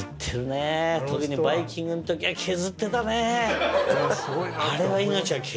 特に『バイキング』の時は削ってたね。